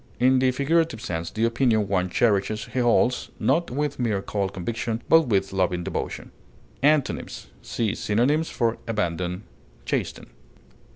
In the figurative sense, the opinion one cherishes he holds, not with mere cold conviction, but with loving devotion. Antonyms: See synonyms for ABANDON; CHASTEN.